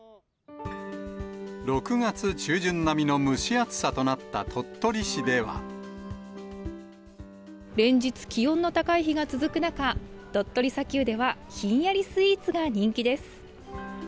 ６月中旬並みの蒸し暑さとな連日、気温の高い日が続く中、鳥取砂丘ではひんやりスイーツが人気です。